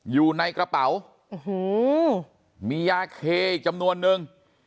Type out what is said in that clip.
อยู่ในกระเป๋ามียาเคอีกจำนวนนึง